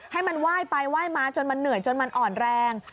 ให้มันไหว้ไปไหว้มาจนมันเหนื่อยจนมันอ่อนแรง